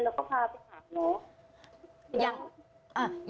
เราก็พาไปหาหมอ